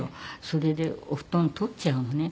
それでお布団取っちゃうのね。